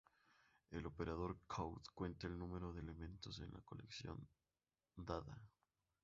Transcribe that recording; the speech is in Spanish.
El operador Count cuenta el número de elementos en la colección dada.